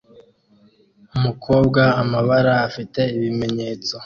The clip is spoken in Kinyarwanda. Umukobwa amabara afite ibimenyetso